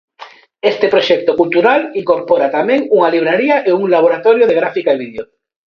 Este proxecto cultural incorpora tamén unha libraría e un laboratorio de gráfica e vídeo.